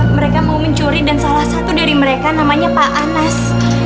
mereka mau mencuri dan salah satu dari mereka namanya pak anas